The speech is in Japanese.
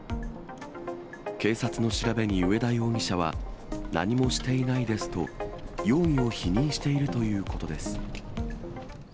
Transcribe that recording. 警察の調べに上田容疑者は、何もしていないですと、容疑を否認しているということです。